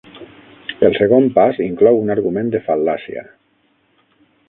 El segon pas inclou un argument de fal·làcia.